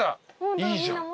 いいじゃん。